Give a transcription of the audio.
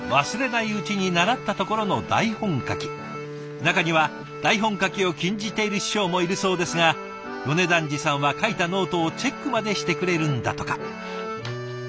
中には台本書きを禁じている師匠もいるそうですが米團治さんは書いたノートをチェックまでしてくれるんだとか。